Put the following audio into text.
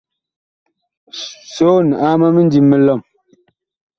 Soon aa ma mindim mi lɔm.